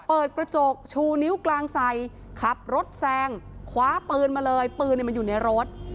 เปิดกระจกชูนิ้วกลางใส่ขับรถแซงคว้าปืนมาเลยปืนมันอยู่ในรถ